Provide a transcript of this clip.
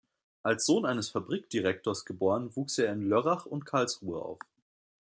Als Sohn eines Fabrikdirektors geboren, wuchs er in Lörrach und Karlsruhe auf.